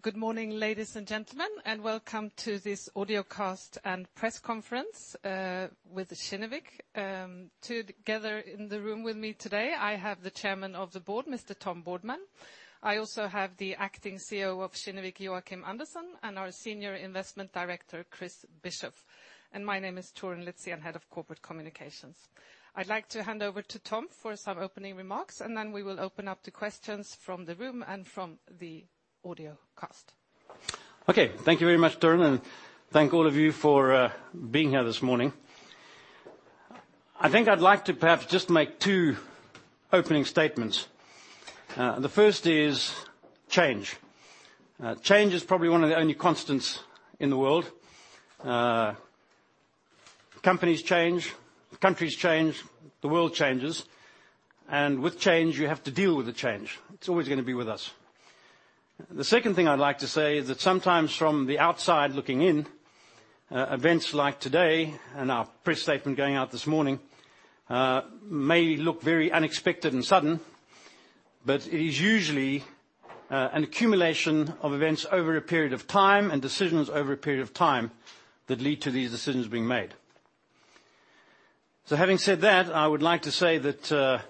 Good morning, ladies and gentlemen, and welcome to this audio cast and press conference, with Kinnevik. Together in the room with me today, I have the Chairman of the Board, Mr. Tom Boardman. I also have the Acting CEO of Kinnevik, Joakim Andersson, and our Senior Investment Director, Chris Bischoff. My name is Torun Litzén, Head of Corporate Communications. I'd like to hand over to Tom for some opening remarks, and then we will open up to questions from the room and from the audio cast. Okay. Thank you very much, Torun, and thank all of you for being here this morning. I think I'd like to perhaps just make two opening statements. The first is change. Change is probably one of the only constants in the world. Companies change, countries change, the world changes. With change, you have to deal with the change. It's always going to be with us. The second thing I'd like to say is that sometimes from the outside looking in, events like today and our press statement going out this morning, may look very unexpected and sudden, but it is usually an accumulation of events over a period of time and decisions over a period of time that lead to these decisions being made. Having said that, I would like to say that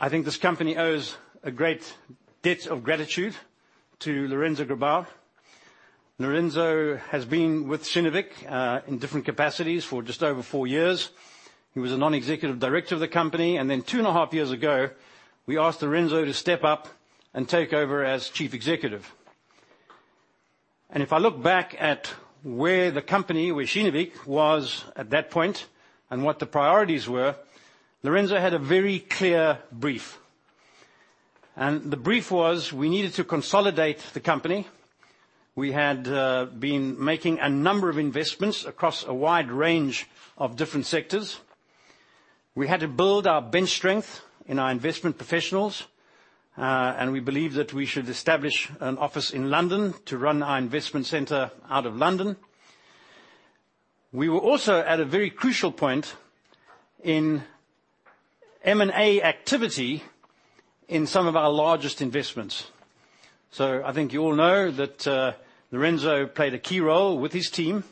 I think this company owes a great debt of gratitude to Lorenzo Grabau. Lorenzo has been with Kinnevik, in different capacities, for just over four years. He was a non-executive director of the company, and then two and a half years ago, we asked Lorenzo to step up and take over as Chief Executive. If I look back at where the company, where Kinnevik was at that point and what the priorities were, Lorenzo had a very clear brief. The brief was, we needed to consolidate the company. We had been making a number of investments across a wide range of different sectors. We had to build our bench strength in our investment professionals. We believed that we should establish an office in London to run our investment center out of London. We were also at a very crucial point in M&A activity in some of our largest investments. I think you all know that Lorenzo played a key role with his team,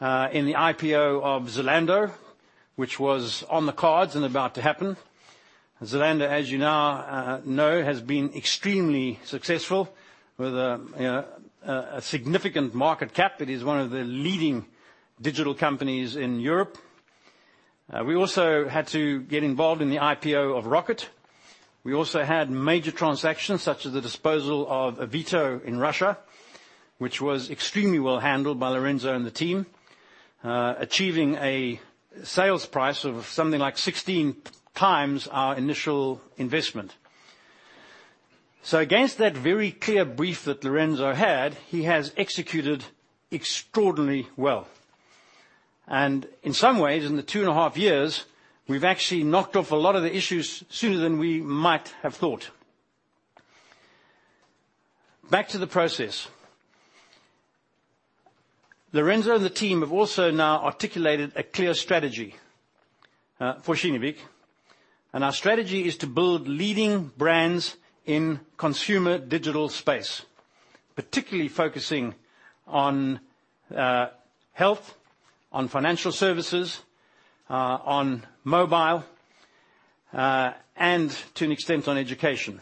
in the IPO of Zalando, which was on the cards and about to happen. Zalando, as you now know, has been extremely successful with a significant market cap that is one of the leading digital companies in Europe. We also had to get involved in the IPO of Rocket. We also had major transactions, such as the disposal of Avito in Russia, which was extremely well handled by Lorenzo and the team, achieving a sales price of something like 16 times our initial investment. Against that very clear brief that Lorenzo had, he has executed extraordinarily well. In some ways, in the two and a half years, we've actually knocked off a lot of the issues sooner than we might have thought. Back to the process. Lorenzo and the team have also now articulated a clear strategy for Kinnevik, our strategy is to build leading brands in consumer digital space, particularly focusing on health, on financial services, on mobile, and to an extent on education.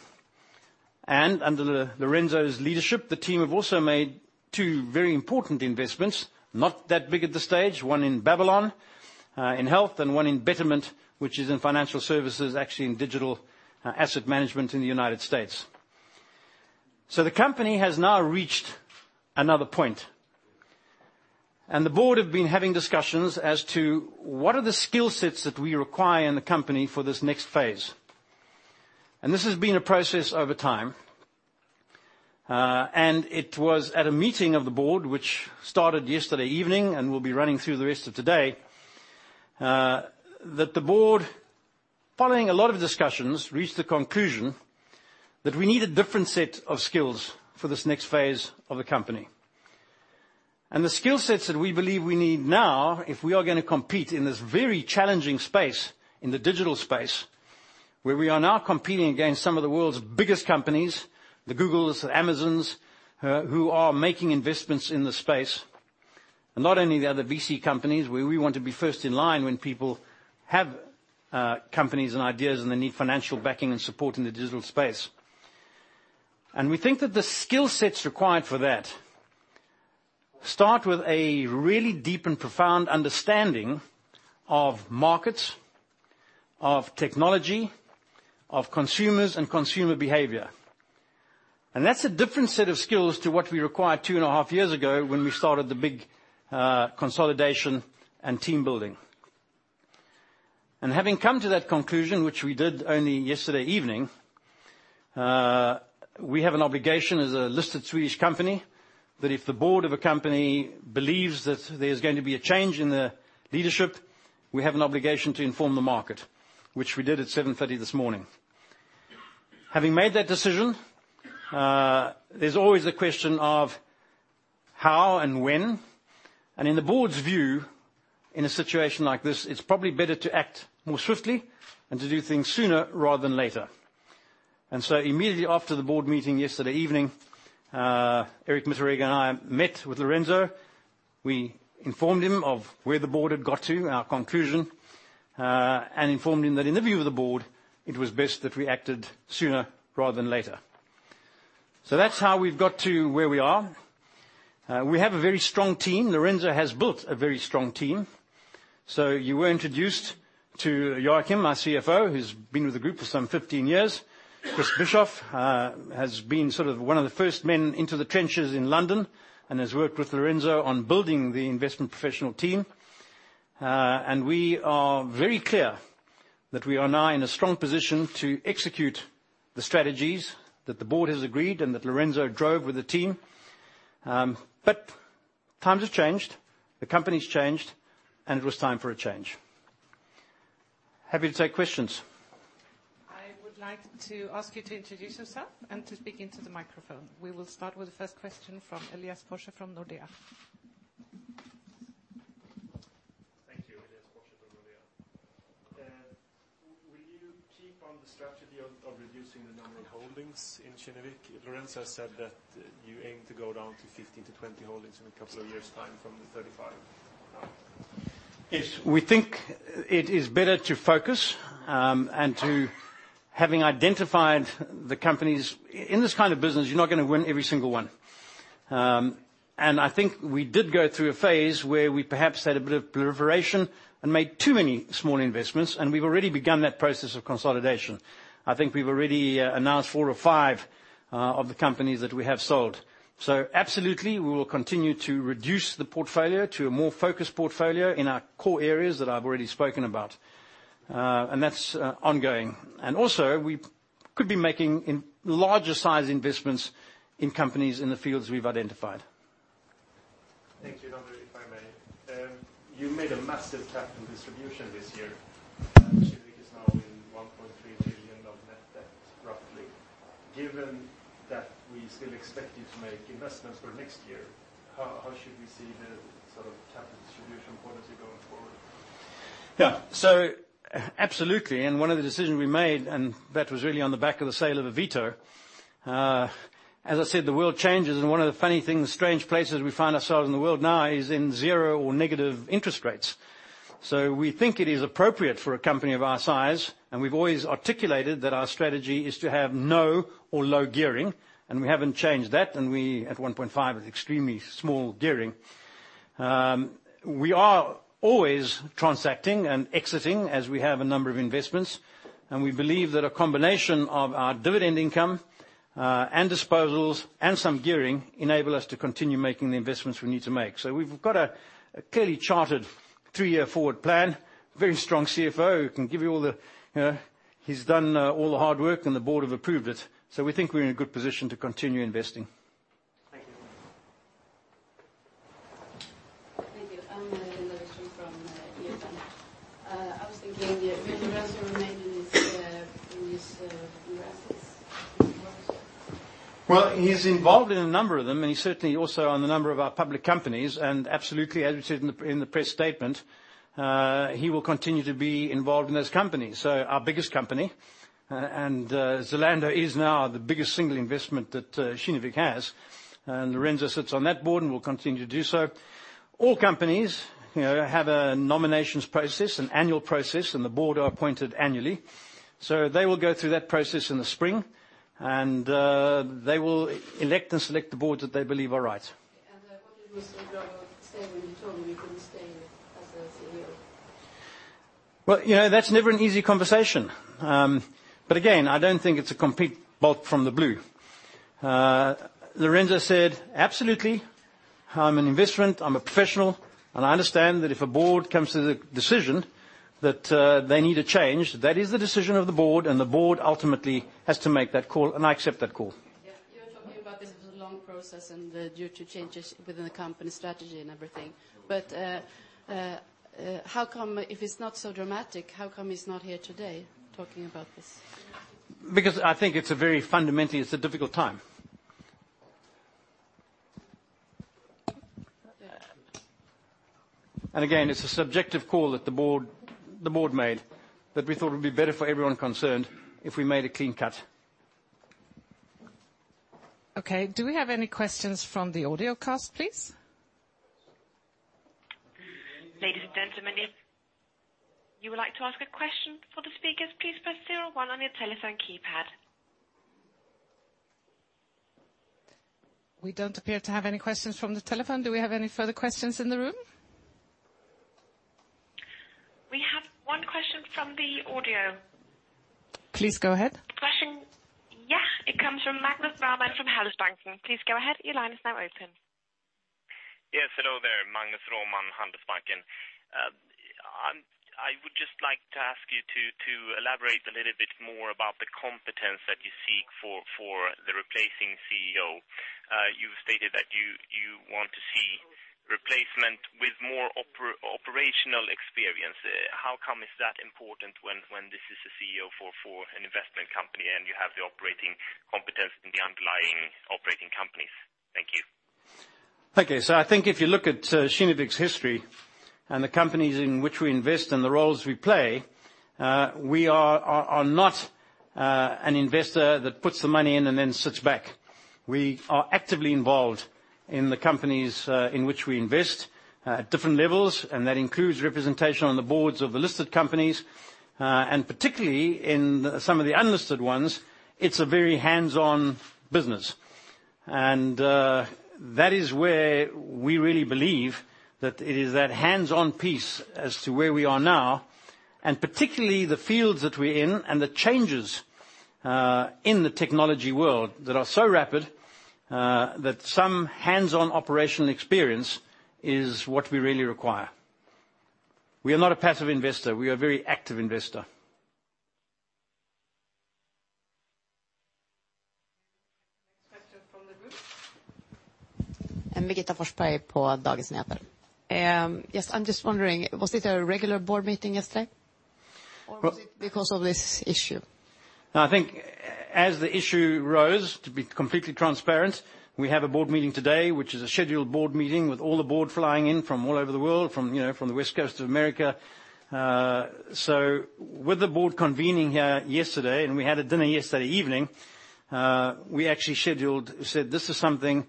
Under Lorenzo's leadership, the team have also made two very important investments, not that big at this stage, one in Babylon, in health, and one in Betterment, which is in financial services, actually in digital asset management in the U.S. The company has now reached another point, the board have been having discussions as to what are the skill sets that we require in the company for this next phase. This has been a process over time. It was at a meeting of the board, which started yesterday evening and will be running through the rest of today, that the board, following a lot of discussions, reached the conclusion that we need a different set of skills for this next phase of the company. The skill sets that we believe we need now, if we are going to compete in this very challenging space, in the digital space, where we are now competing against some of the world's biggest companies, the Googles, the Amazons, who are making investments in the space. Not only the other VC companies, where we want to be first in line when people have companies and ideas and they need financial backing and support in the digital space. We think that the skill sets required for that start with a really deep and profound understanding of markets, of technology, of consumers, and consumer behavior. That's a different set of skills to what we required two and a half years ago when we started the big consolidation and team building. Having come to that conclusion, which we did only yesterday evening, we have an obligation as a listed Swedish company, that if the board of a company believes that there's going to be a change in the leadership, we have an obligation to inform the market, which we did at 7:30 A.M. this morning. Having made that decision, there's always a question of How and when. In the board's view, in a situation like this, it's probably better to act more swiftly and to do things sooner rather than later. Immediately after the board meeting yesterday evening, Erik Mitteregger and I met with Lorenzo. We informed him of where the board had got to, our conclusion, and informed him that in the view of the board, it was best that we acted sooner rather than later. That's how we've got to where we are. We have a very strong team. Lorenzo has built a very strong team. You were introduced to Joakim, our CFO, who's been with the group for some 15 years. Chris Bischoff has been one of the first men into the trenches in London and has worked with Lorenzo on building the investment professional team. We are very clear that we are now in a strong position to execute the strategies that the board has agreed and that Lorenzo drove with the team. times have changed, the company's changed, and it was time for a change. Happy to take questions. I would like to ask you to introduce yourself and to speak into the microphone. We will start with the first question from Elias Porsche from Nordea. Thank you. Elias Porsche from Nordea. Will you keep on the strategy of reducing the number of holdings in Kinnevik? Lorenzo said that you aim to go down to 15-20 holdings in a couple of years' time from the 35. Yes. We think it is better to focus. To having identified the companies. In this kind of business, you're not going to win every single one. I think we did go through a phase where we perhaps had a bit of proliferation and made too many small investments, and we've already begun that process of consolidation. I think we've already announced four or five of the companies that we have sold. Absolutely, we will continue to reduce the portfolio to a more focused portfolio in our core areas that I've already spoken about. That's ongoing. Also, we could be making larger size investments in companies in the fields we've identified. Thank you. Andre, if I may. You made a massive capital distribution this year. Kinnevik is now in SEK 1.3 billion of net debt, roughly. Given that we still expect you to make investments for next year, how should we see the capital distribution policy going forward? Absolutely. One of the decisions we made, and that was really on the back of the sale of Avito. As I said, the world changes, and one of the funny things, strange places we find ourselves in the world now is in zero or negative interest rates. We think it is appropriate for a company of our size, and we've always articulated that our strategy is to have no or low gearing, and we haven't changed that. We, at 1.5, is extremely small gearing. We are always transacting and exiting as we have a number of investments, and we believe that a combination of our dividend income, and disposals, and some gearing, enable us to continue making the investments we need to make. We've got a clearly charted three-year forward plan. Very strong CFO. He's done all the hard work and the board have approved it. We think we're in a good position to continue investing. Thank you. Thank you. Anne Leveson from Well, he's involved in a number of them, and he's certainly also on a number of our public companies. Absolutely, as we said in the press statement, he will continue to be involved in those companies. Our biggest company, Zalando is now the biggest single investment that Kinnevik has. Lorenzo sits on that board and will continue to do so. All companies have a nominations process, an annual process, and the board are appointed annually. They will go through that process in the spring, and they will elect and select the boards that they believe are right. What did Mr. Loredo say when you told him he couldn't stay as the CEO? Well, that's never an easy conversation. Again, I don't think it's a complete bolt from the blue. Lorenzo said, "Absolutely, I'm an investment, I'm a professional, and I understand that if a board comes to the decision that they need a change, that is the decision of the board, and the board ultimately has to make that call," and I accept that call. Yeah. You're talking about this is a long process and due to changes within the company strategy and everything. How come if it's not so dramatic, how come he's not here today talking about this? Because I think it's a very fundamentally It's a difficult time. Okay. Again, it's a subjective call that the board made, that we thought it would be better for everyone concerned if we made a clean cut. Okay. Do we have any questions from the audio cast, please? Ladies and gentlemen, if you would like to ask a question for the speakers, please press zero one on your telephone keypad. We don't appear to have any questions from the telephone. Do we have any further questions in the room? We have one question from the audio. Please go ahead. The question, yeah, it comes from Magnus Roman from Handelsbanken. Please go ahead. Your line is now open. Yes. Hello there. Magnus Roman, Handelsbanken. I would just like to ask you to elaborate a little bit more about the competence that you seek for the replacing CEO. You've stated that you want to see Replacement with more operational experience. How come is that important when this is a CEO for an investment company and you have the operating competence in the underlying operating companies? Thank you. Thank you. I think if you look at Kinnevik's history and the companies in which we invest and the roles we play, we are not an investor that puts the money in and then sits back. We are actively involved in the companies in which we invest at different levels, and that includes representation on the boards of the listed companies. Particularly in some of the unlisted ones, it's a very hands-on business. That is where we really believe that it is that hands-on piece as to where we are now, and particularly the fields that we're in and the changes in the technology world that are so rapid that some hands-on operational experience is what we really require. We are not a passive investor. We are a very active investor. Question from the group. Birgitta Forsberg, Dagens Nyheter. Yes, I'm just wondering, was it a regular board meeting yesterday? Was it because of this issue? No, I think as the issue rose, to be completely transparent, we have a board meeting today, which is a scheduled board meeting with all the board flying in from all over the world, from the West Coast of America. With the board convening here yesterday, we had a dinner yesterday evening, we actually scheduled, said this is something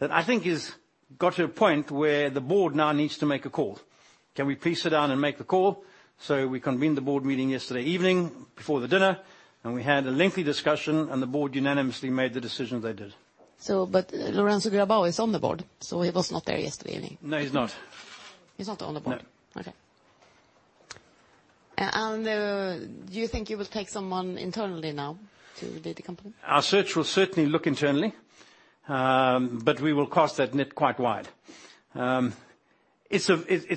that I think has got to a point where the board now needs to make a call. Can we please sit down and make the call? We convened the board meeting yesterday evening before the dinner, we had a lengthy discussion, the board unanimously made the decision they did. Lorenzo Grabau is on the board, he was not there yesterday evening. No, he's not. He's not on the board. No. Okay. Do you think you will take someone internally now to lead the company? Our search will certainly look internally, we will cast that net quite wide. It's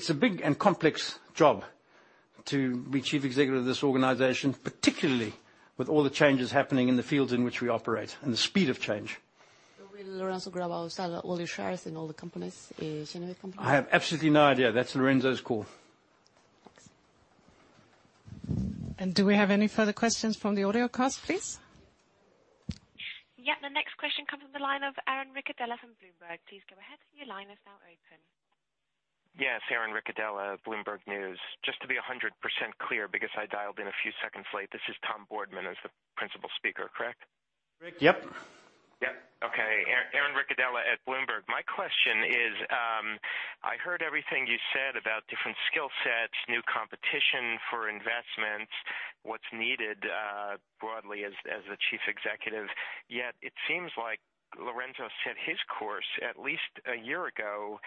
a big and complex job to be Chief Executive of this organization, particularly with all the changes happening in the fields in which we operate and the speed of change. Will Lorenzo Grabau sell all his shares in all the companies, Kinnevik companies? I have absolutely no idea. That's Lorenzo's call. Thanks. Do we have any further questions from the audiocast, please? Yeah. The next question comes from the line of Aaron Ricadela from Bloomberg. Please go ahead. Your line is now open. Yes. Aaron Ricadela, Bloomberg News. Just to be 100% clear, because I dialed in a few seconds late. This is Tom Boardman as the principal speaker, correct? Yep. Yep. Okay. Aaron Ricadela at Bloomberg. My question is, I heard everything you said about different skill sets, new competition for investments, what's needed broadly as the chief executive, yet it seems like Lorenzo set his course at least a year ago.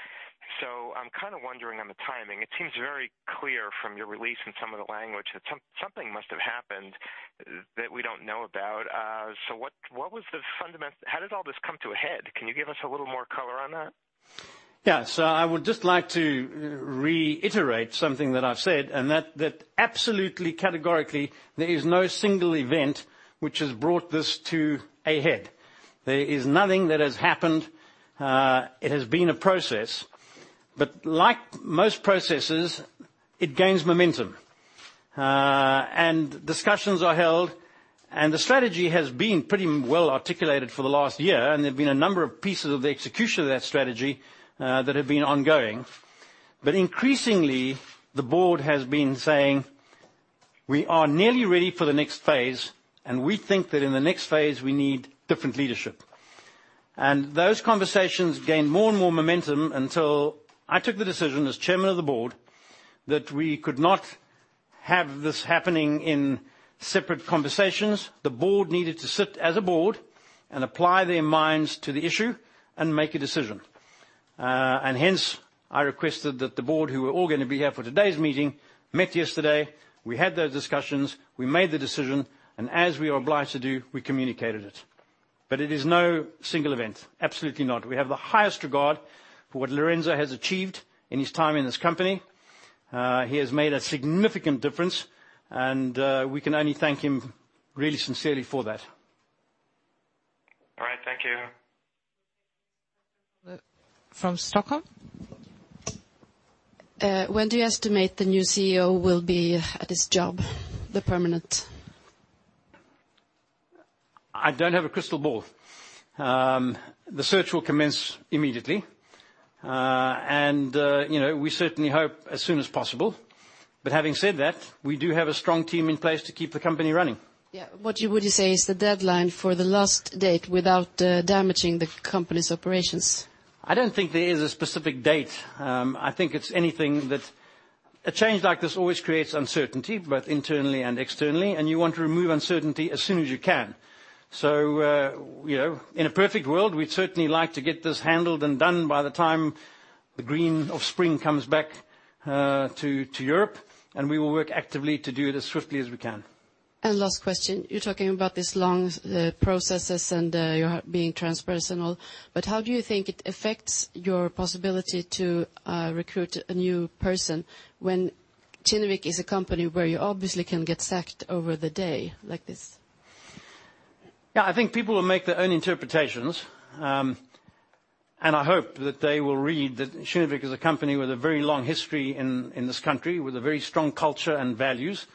I'm kind of wondering on the timing. It seems very clear from your release and some of the language that something must have happened that we don't know about. How did all this come to a head? Can you give us a little more color on that? Yeah. I would just like to reiterate something that I've said, and that absolutely categorically, there is no single event which has brought this to a head. There is nothing that has happened. It has been a process, but like most processes, it gains momentum. Discussions are held, and the strategy has been pretty well articulated for the last year, and there have been a number of pieces of the execution of that strategy that have been ongoing. Increasingly, the board has been saying we are nearly ready for the next phase, and we think that in the next phase, we need different leadership. Those conversations gained more and more momentum until I took the decision as Chairman of the Board that we could not have this happening in separate conversations. The board needed to sit as a board and apply their minds to the issue and make a decision. Hence, I requested that the board, who were all going to be here for today's meeting, met yesterday. We had those discussions, we made the decision, as we are obliged to do, we communicated it. It is no single event. Absolutely not. We have the highest regard for what Lorenzo has achieved in his time in this company. He has made a significant difference, and we can only thank him really sincerely for that. All right. Thank you. From Stockholm. When do you estimate the new CEO will be at his job, the permanent? I don't have a crystal ball. The search will commence immediately. We certainly hope as soon as possible. Having said that, we do have a strong team in place to keep the company running. Yeah. What would you say is the deadline for the last date without damaging the company's operations? I don't think there is a specific date. A change like this always creates uncertainty, both internally and externally, you want to remove uncertainty as soon as you can. In a perfect world, we'd certainly like to get this handled and done by the time the green of spring comes back to Europe, we will work actively to do it as swiftly as we can. Last question. You're talking about these long processes and you're being transparent and all, how do you think it affects your possibility to recruit a new person when Kinnevik is a company where you obviously can get sacked over the day like this? Yeah, I think people will make their own interpretations. I hope that they will read that Kinnevik is a company with a very long history in this country, with a very strong culture and values.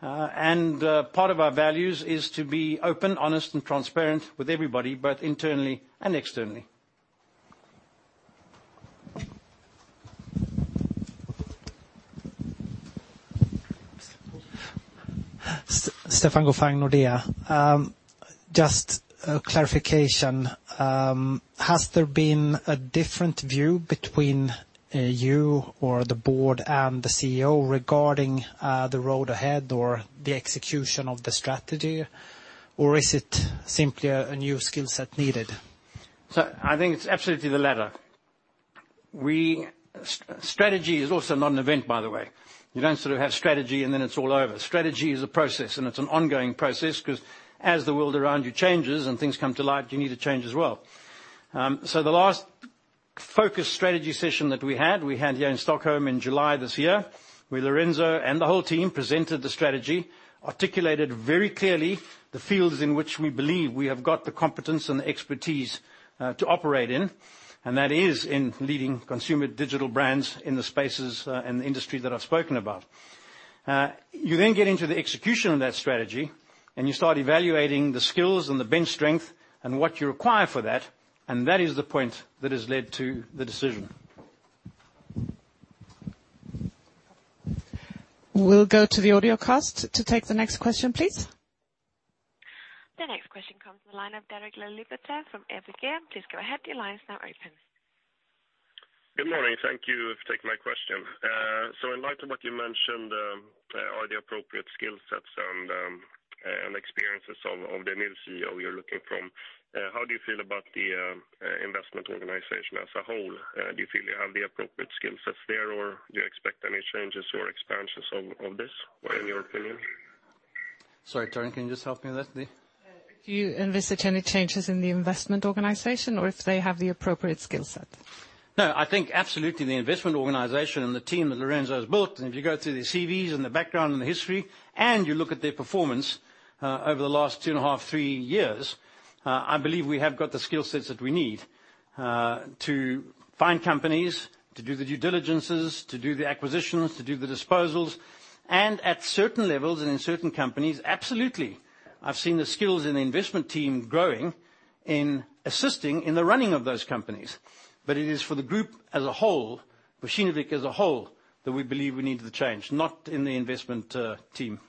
Part of our values is to be open, honest, and transparent with everybody, both internally and externally. Stefan Gauffin, Nordea. Just a clarification. Has there been a different view between you or the board and the CEO regarding the road ahead or the execution of the strategy, or is it simply a new skill set needed? I think it's absolutely the latter. Strategy is also not an event, by the way. You don't sort of have strategy and then it's all over. Strategy is a process, and it's an ongoing process, because as the world around you changes and things come to light, you need to change as well. The last focus strategy session that we had, we had here in Stockholm in July this year, where Lorenzo and the whole team presented the strategy, articulated very clearly the fields in which we believe we have got the competence and the expertise to operate in. That is in leading consumer digital brands in the spaces, and the industry that I've spoken about. You get into the execution of that strategy, you start evaluating the skills and the bench strength and what you require for that is the point that has led to the decision. We'll go to the audiocast to take the next question, please. The next question comes from the line of Derek Laliberté from ABG. Please go ahead, your line is now open. Good morning. Thank you for taking my question. In light of what you mentioned are the appropriate skill sets and experiences of the new CEO you're looking from, how do you feel about the investment organization as a whole? Do you feel they have the appropriate skill sets there, or do you expect any changes or expansions of this, in your opinion? Sorry, Torun, can you just help me with that. Do you envisage any changes in the investment organization or if they have the appropriate skill set? No, I think absolutely the investment organization and the team that Lorenzo has built. If you go through their CVs and their background and their history, and you look at their performance over the last two and a half, three years, I believe we have got the skill sets that we need to find companies, to do the due diligences, to do the acquisitions, to do the disposals. At certain levels and in certain companies, absolutely, I've seen the skills in the investment team growing in assisting in the running of those companies. It is for the group as a whole, for Kinnevik as a whole, that we believe we need the change, not in the investment team.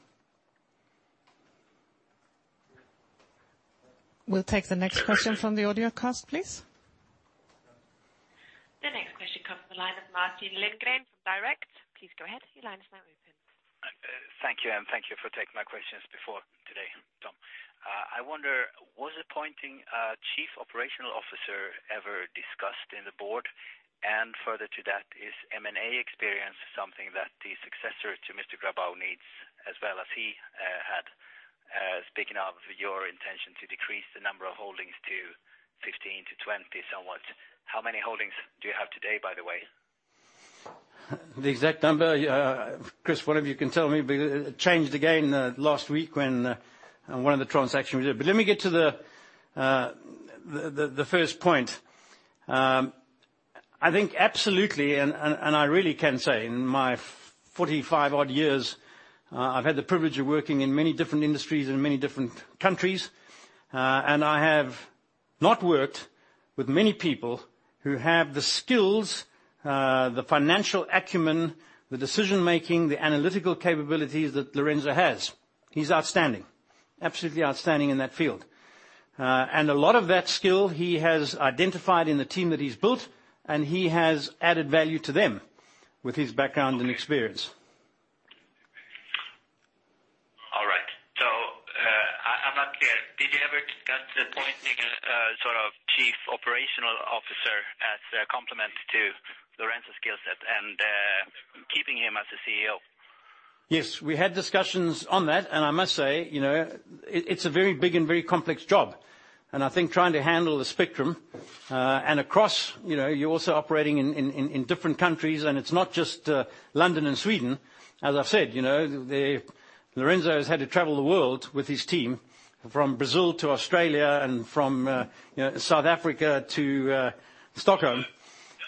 We'll take the next question from the audio cast, please. The next question comes from the line of Martin Lindgren from Direkt. Please go ahead. Your line is now open. Thank you, and thank you for taking my questions before today, Tom. I wonder, was appointing a chief operational officer ever discussed in the board? Further to that, is M&A experience something that the successor to Mr. Grabau needs as well as he had? Speaking of your intention to decrease the number of holdings to 15 to 20 somewhat, how many holdings do you have today, by the way? The exact number, Chris, one of you can tell me, it changed again last week when one of the transactions we did. Let me get to the first point. I think absolutely, I really can say in my 45-odd years, I've had the privilege of working in many different industries and many different countries. I have not worked with many people who have the skills, the financial acumen, the decision making, the analytical capabilities that Lorenzo has. He's outstanding, absolutely outstanding in that field. A lot of that skill he has identified in the team that he's built, and he has added value to them with his background and experience. All right. I'm not clear. Did you ever discuss appointing a chief operational officer as a complement to Lorenzo's skill set and keeping him as the CEO? Yes, we had discussions on that, and I must say, it's a very big and very complex job. I think trying to handle the spectrum, and across, you're also operating in different countries, and it's not just London and Sweden. As I've said, Lorenzo has had to travel the world with his team, from Brazil to Australia and from South Africa to Stockholm.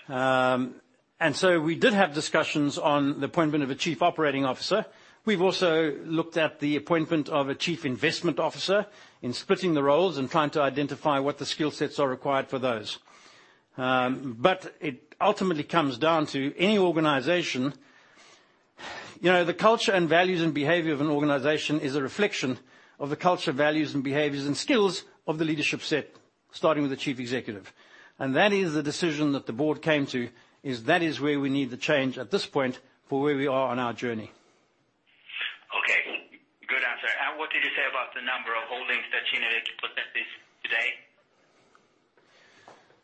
We did have discussions on the appointment of a chief operating officer. We've also looked at the appointment of a chief investment officer in splitting the roles and trying to identify what the skill sets are required for those. It ultimately comes down to any organization, the culture and values and behavior of an organization is a reflection of the culture, values, and behaviors and skills of the leadership set, starting with the chief executive. That is the decision that the board came to, is that is where we need the change at this point for where we are on our journey. Okay. Good answer. What did you say about the number of holdings that Kinnevik possesses today?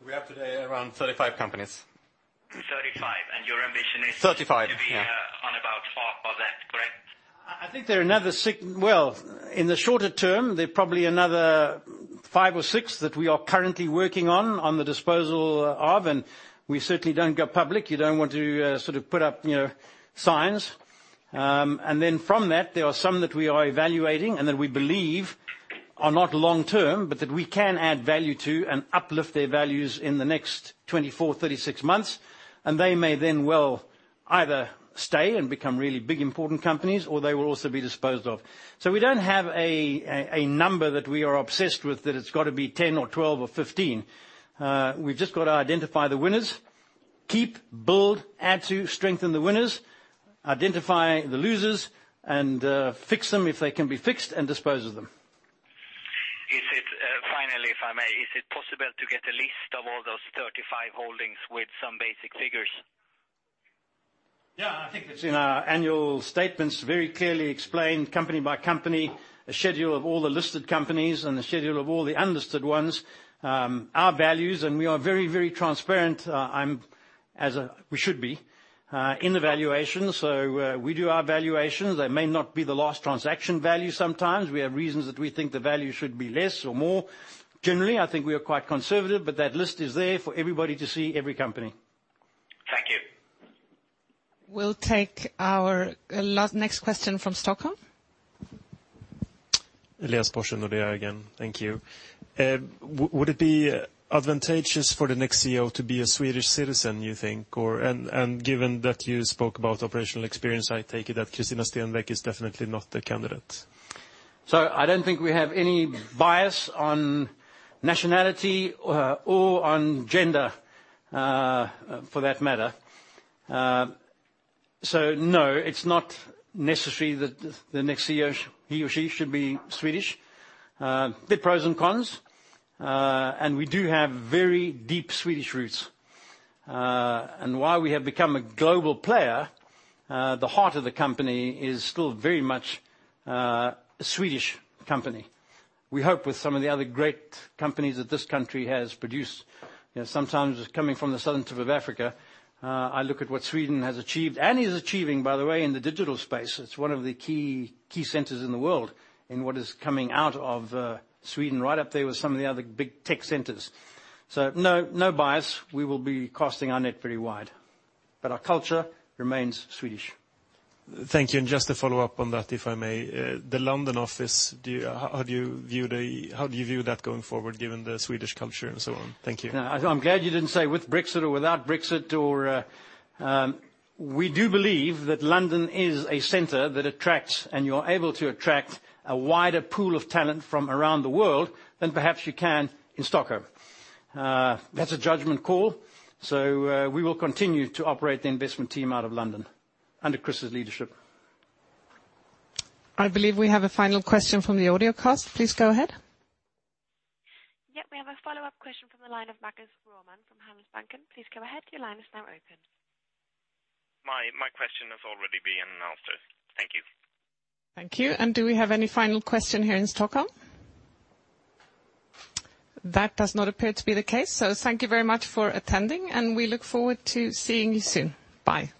We have today around 35 companies. 35, and your ambition is? 35. Yeah. to be on about half of that, correct? I think there are another six. Well, in the shorter term, there are probably another five or six that we are currently working on the disposal of. We certainly don't go public. You don't want to sort of put up signs. From that, there are some that we are evaluating and that we believe are not long-term, but that we can add value to and uplift their values in the next 24, 36 months. They may then well either stay and become really big, important companies, or they will also be disposed of. We don't have a number that we are obsessed with, that it's got to be 10 or 12 or 15. We've just got to identify the winners, keep, build, add to, strengthen the winners, identify the losers, and fix them if they can be fixed and dispose of them. Finally, if I may, is it possible to get a list of all those 35 holdings with some basic figures? Yeah. I think it's in our annual statements, very clearly explained company by company, a schedule of all the listed companies and a schedule of all the unlisted ones. Our values, and we are very transparent, as we should be, in the valuation. We do our valuations. They may not be the last transaction value sometimes. We have reasons that we think the value should be less or more. Generally, I think we are quite conservative, but that list is there for everybody to see every company. Thank you. We'll take our next question from Stockholm. Elias, Thank you. Just to follow up on that, if I may, the London office, how do you view that going forward given the Swedish culture and so on? Thank you. I'm glad you didn't say with Brexit or without Brexit. We do believe that London is a center that attracts, and you're able to attract a wider pool of talent from around the world than perhaps you can in Stockholm. That's a judgment call. We will continue to operate the investment team out of London under Chris' leadership. I believe we have a final question from the audio cast. Please go ahead. Yep. We have a follow-up question from the line of Magnus Roman from Handelsbanken. Please go ahead. Your line is now open. My question has already been answered. Thank you. Thank you. Do we have any final question here in Stockholm? That does not appear to be the case. Thank you very much for attending, and we look forward to seeing you soon. Bye.